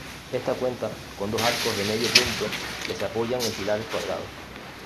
Esta cuenta con dos arcos de medio punto, que se apoyan en pilares cuadrados.